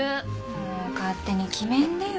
もう勝手に決めんでよ。